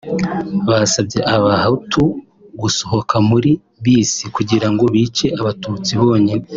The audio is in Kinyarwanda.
Basabye Abahutu gusohoka muri bisi kugira ngo bice Abatutsi bonyine